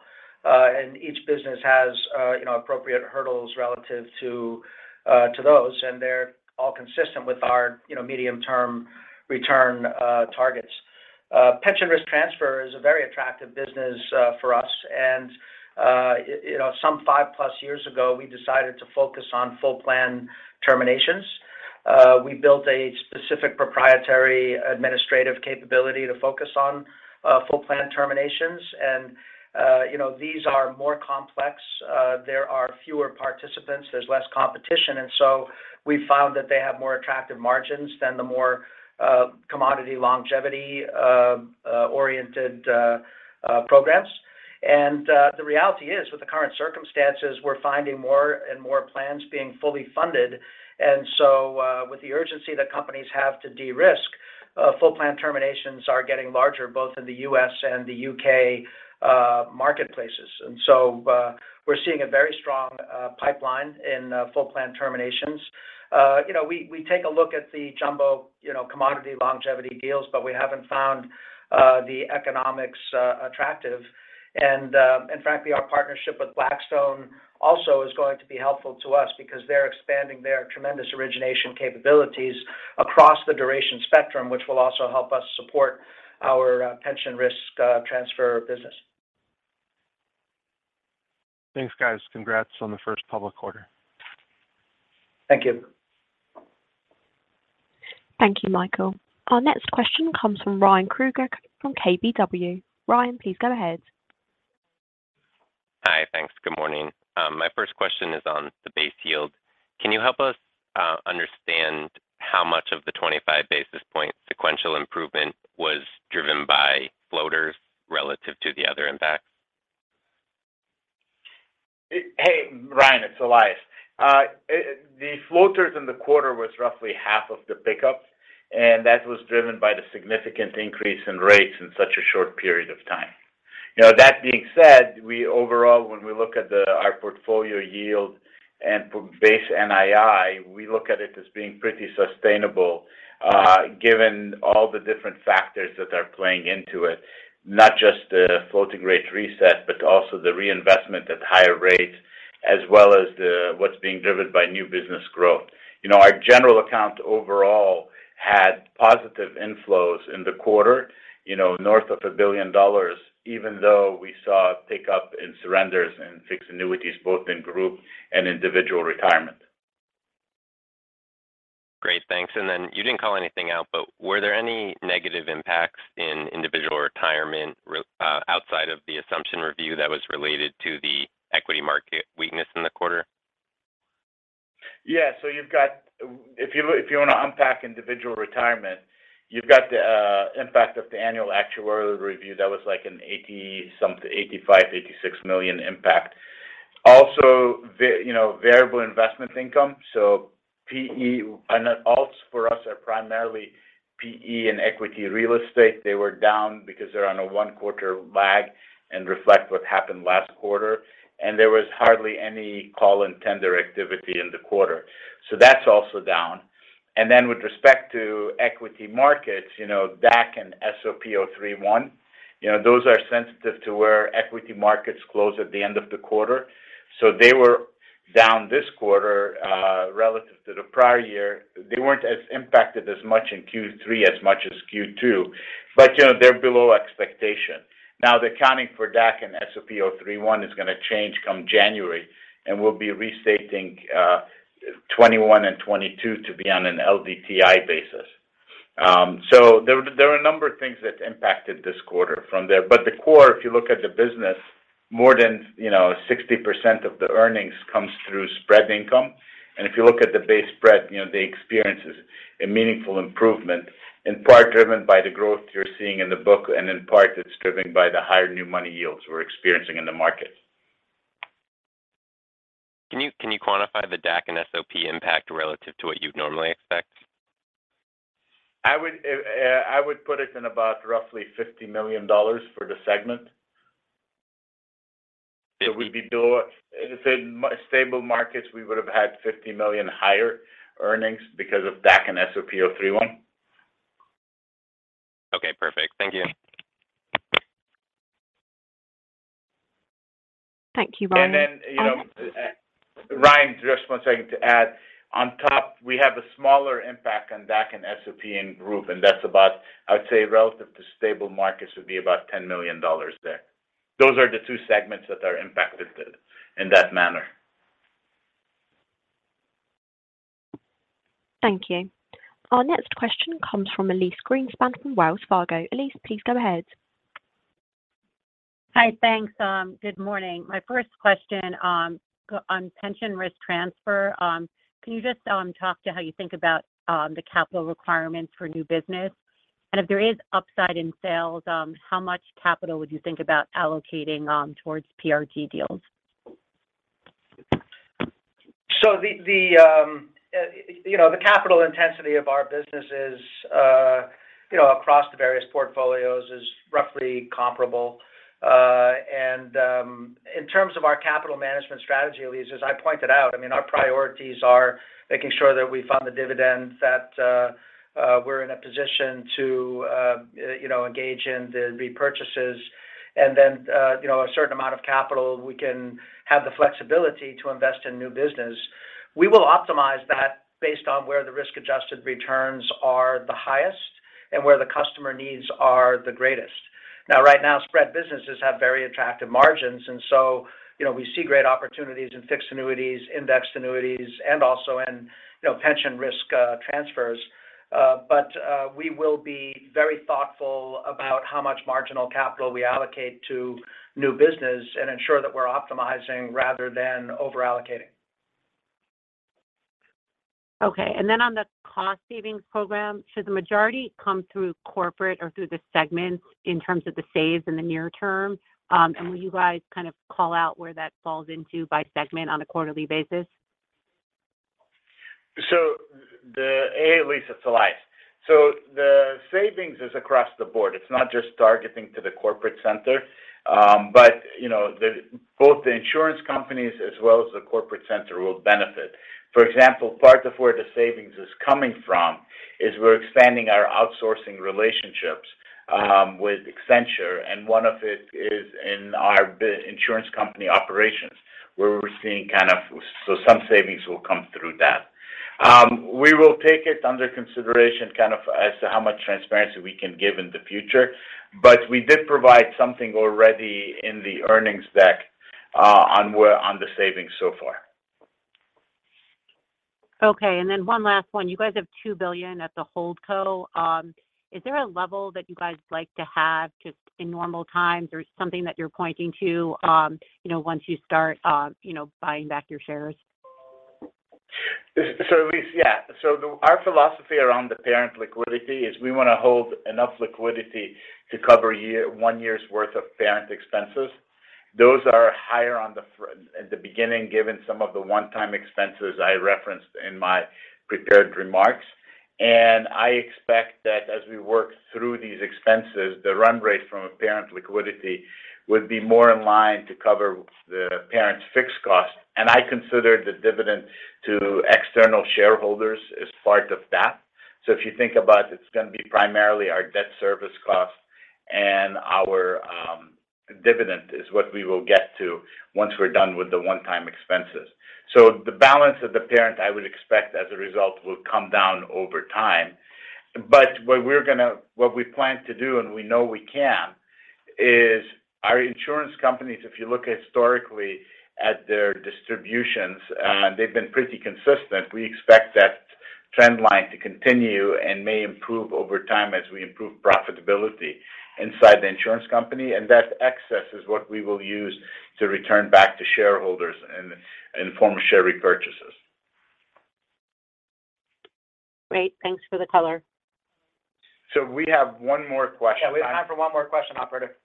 Each business has, you know, appropriate hurdles relative to those, and they're all consistent with our, you know, medium-term return targets. Pension risk transfer is a very attractive business for us. You know, some five-plus years ago, we decided to focus on full plan terminations. We built a specific proprietary administrative capability to focus on full plan terminations. You know, these are more complex. There are fewer participants, there's less competition, and so we found that they have more attractive margins than the more commodity longevity oriented programs. The reality is, with the current circumstances, we're finding more and more plans being fully funded. With the urgency that companies have to de-risk, full plan terminations are getting larger both in the U.S. and the U.K. marketplaces. We're seeing a very strong pipeline in full plan terminations. You know, we take a look at the jumbo commodity longevity deals, but we haven't found the economics attractive. Frankly, our partnership with Blackstone also is going to be helpful to us because they're expanding their tremendous origination capabilities across the duration spectrum, which will also help us support our pension risk transfer business. Thanks, guys. Congrats on the first public quarter. Thank you. Thank you, Michael. Our next question comes from Ryan Krueger from KBW. Ryan, please go ahead. Hi. Thanks. Good morning. My first question is on the base yield. Can you help us understand how much of the 25 basis points sequential improvement was driven by floaters relative to the other impacts? Hey, Ryan, it's Elias. The floaters in the quarter was roughly half of the pickup, and that was driven by the significant increase in rates in such a short period of time. You know, that being said, we overall, when we look at our portfolio yield and for base NII, we look at it as being pretty sustainable, given all the different factors that are playing into it, not just the floating rate reset, but also the reinvestment at higher rates, as well as what's being driven by new business growth. You know, our general account overall had positive inflows in the quarter, you know, north of $1 billion, even though we saw a pickup in surrenders and fixed annuities both in Group and Individual Retirement. Great, thanks. You didn't call anything out, but were there any negative impacts in Individual Retirement outside of the assumption review that was related to the equity market weakness in the quarter? If you want to unpack Individual Retirement, you've got the impact of the annual actuarial review that was like an $85-$86 million impact. Also, variable investment income. PE and alts for us are primarily PE and equity real estate. They were down because they're on a one-quarter lag and reflect what happened last quarter. There was hardly any call and tender activity in the quarter. That's also down. With respect to equity markets, you know, DAC and SOP 03-1, you know, those are sensitive to where equity markets close at the end of the quarter. They were down this quarter, relative to the prior year. They weren't as impacted as much in Q3 as in Q2, but, you know, they're below expectation. The accounting for DAC and SOP 03-1 is going to change come January, and we'll be restating 2021 and 2022 to be on an LDTI basis. There are a number of things that impacted this quarter from there. The core, if you look at the business, more than, you know, 60% of the earnings comes through spread income. If you look at the base spread, you know, they experienced a meaningful improvement, in part driven by the growth you're seeing in the book, and in part it's driven by the higher new money yields we're experiencing in the market. Can you quantify the DAC and SOP impact relative to what you'd normally expect? I would put it in about roughly $50 million for the segment. It would be below if it's in Institutional Markets, we would have had $50 million higher earnings because of DAC and SOP 03-1. Okay, perfect. Thank you. Thank you, Ryan. You know, Ryan, just one second to add. On top, we have a smaller impact on DAC and SOP in group, and that's about, I would say relative to stable markets, would be about $10 million there. Those are the two segments that are impacted in that manner. Thank you. Our next question comes from Elyse Greenspan from Wells Fargo. Elyse, please go ahead. Hi. Thanks. Good morning. My first question on pension risk transfer, can you just talk to how you think about the capital requirements for new business? If there is upside in sales, how much capital would you think about allocating towards PRT deals? The capital intensity of our businesses, you know, across the various portfolios is roughly comparable. In terms of our capital management strategy, Elyse, as I pointed out, I mean, our priorities are making sure that we fund the dividends, that we're in a position to, you know, engage in the repurchases, and then, you know, a certain amount of capital we can have the flexibility to invest in new business. We will optimize that based on where the risk-adjusted returns are the highest and where the customer needs are the greatest. Now, right now, spread businesses have very attractive margins. You know, we see great opportunities in fixed annuities, indexed annuities and also in, you know, pension risk transfers. We will be very thoughtful about how much marginal capital we allocate to new business and ensure that we're optimizing rather than over-allocating. Okay. On the cost savings program, should the majority come through corporate or through the segments in terms of the saves in the near term? Will you guys kind of call out where that falls into by segment on a quarterly basis? Elyse, it's Elias. The savings is across the board. It's not just targeting to the corporate center. You know, both the insurance companies as well as the corporate center will benefit. For example, part of where the savings is coming from is we're expanding our outsourcing relationships with Accenture, and one of it is in our insurance company operations, where we're seeing. Some savings will come through that. We will take it under consideration as to how much transparency we can give in the future, but we did provide something already in the earnings deck, on the savings so far. Okay. One last one. You guys have $2 billion at the HoldCo. Is there a level that you guys like to have just in normal times or something that you're pointing to, you know, once you start buying back your shares? Elyse, yeah. Our philosophy around the parent liquidity is we want to hold enough liquidity to cover one year's worth of parent expenses. Those are higher at the beginning, given some of the one-time expenses I referenced in my prepared remarks. I expect that as we work through these expenses, the run rate from a parent liquidity would be more in line to cover the parent's fixed cost. I consider the dividend to external shareholders as part of that. If you think about it's going to be primarily our debt service cost, and our dividend is what we will get to once we're done with the one-time expenses. The balance of the parent, I would expect as a result, will come down over time. What we plan to do and we know we can is our insurance companies. If you look historically at their distributions, they've been pretty consistent. We expect that trend line to continue and may improve over time as we improve profitability inside the insurance company. That excess is what we will use to return back to shareholders and form share repurchases. Great. Thanks for the color. We have one more question. Yeah, we have time for one more question, operator.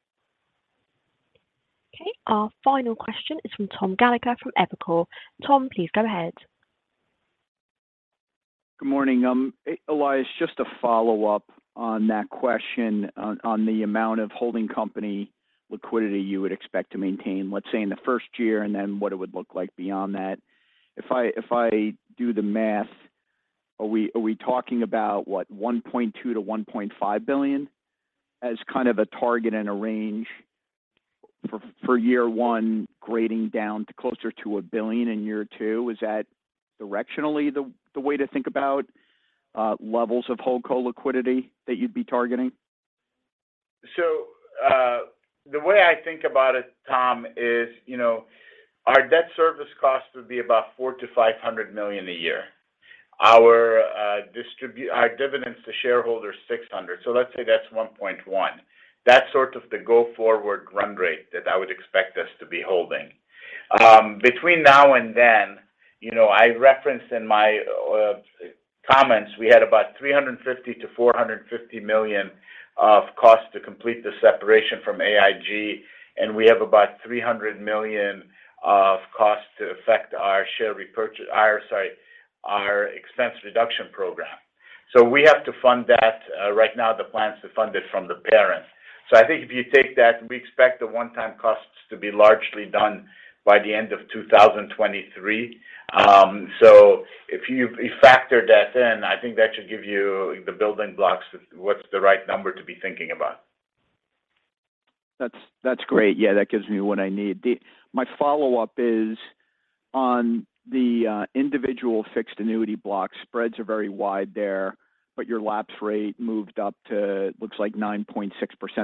Okay. Our final question is from Tom Gallagher from Evercore. Tom, please go ahead. Good morning. Elias, just a follow-up on that question on the amount of holding company liquidity you would expect to maintain, let's say in the first year, and then what it would look like beyond that. If I do the math, are we talking about, what, $1.2 billion-$1.5 billion as kind of a target and a range for year one, grading down to closer to $1 billion in year two? Is that directionally the way to think about levels of HoldCo liquidity that you'd be targeting? The way I think about it, Tom, is, you know, our debt service cost would be about $400-$500 million a year. Our dividends to shareholders, $600 million. So let's say that's $1.1 billion. That's sort of the go forward run rate that I would expect us to be holding. Between now and then. You know, I referenced in my comments, we had about $350 million-$450 million of costs to complete the separation from AIG, and we have about $300 million of costs to affect our share repurchase, sorry, our expense reduction program. We have to fund that. Right now the plan is to fund it from the parent. I think if you take that, we expect the one-time costs to be largely done by the end of 2023. If you factor that in, I think that should give you the building blocks of what's the right number to be thinking about. That's great. Yeah, that gives me what I need. My follow-up is on the individual fixed annuity block. Spreads are very wide there, but your lapse rate moved up to, looks like 9.6%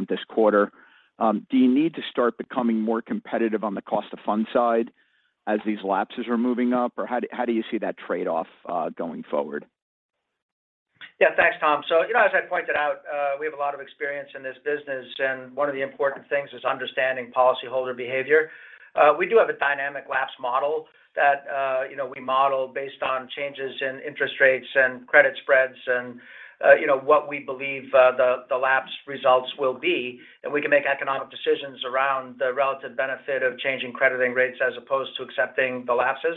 this quarter. Do you need to start becoming more competitive on the cost of funds side as these lapses are moving up? Or how do you see that trade-off going forward? Yeah. Thanks, Tom. You know, as I pointed out, we have a lot of experience in this business, and one of the important things is understanding policyholder behavior. We do have a dynamic lapse model that, you know, we model based on changes in interest rates and credit spreads and, you know, what we believe, the lapse results will be, and we can make economic decisions around the relative benefit of changing crediting rates as opposed to accepting the lapses.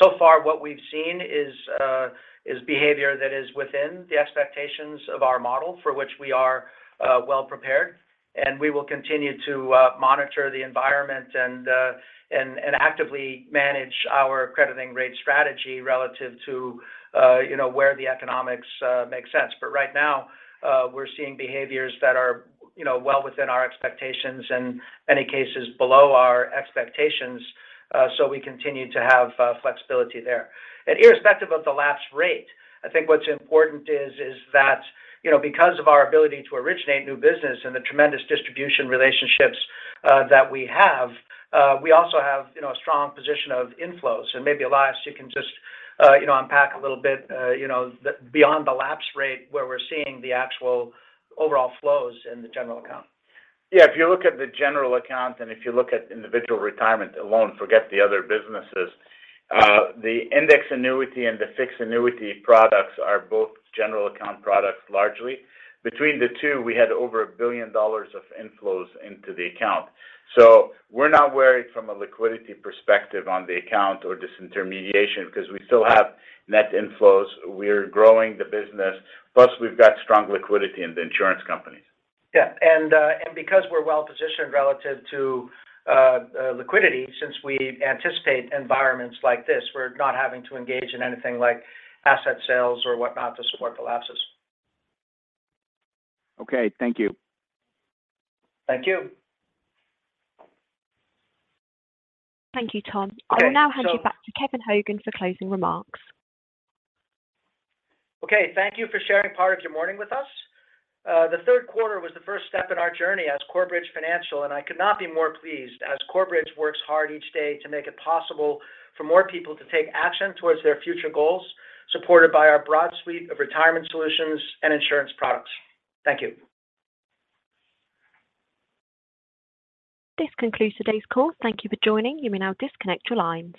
So far what we've seen is behavior that is within the expectations of our model for which we are, well prepared, and we will continue to monitor the environment and actively manage our crediting rate strategy relative to, you know, where the economics make sense. Right now, we're seeing behaviors that are, you know, well within our expectations and in many cases below our expectations, so we continue to have flexibility there. Irrespective of the lapse rate, I think what's important is that, you know, because of our ability to originate new business and the tremendous distribution relationships that we have, we also have, you know, a strong position of inflows. Maybe, Elias, you can just, you know, unpack a little bit, you know, a bit beyond the lapse rate where we're seeing the actual overall flows in the general account. Yeah. If you look at the general account and if you look at Individual Retirement alone, forget the other businesses, the index annuity and the fixed annuity products are both general account products largely. Between the two, we had over $1 billion of inflows into the account. We're not worried from a liquidity perspective on the account or disintermediation because we still have net inflows. We're growing the business, plus we've got strong liquidity in the insurance companies. Yeah, because we're well-positioned relative to liquidity, since we anticipate environments like this, we're not having to engage in anything like asset sales or what not to support the lapses. Okay. Thank you. Thank you. Thank you, Tom. Okay. I will now hand you back to Kevin Hogan for closing remarks. Okay. Thank you for sharing part of your morning with us. The third quarter was the first step in our journey as Corebridge Financial, and I could not be more pleased as Corebridge works hard each day to make it possible for more people to take action towards their future goals, supported by our broad suite of retirement solutions and insurance products. Thank you. This concludes today's call. Thank you for joining. You may now disconnect your lines.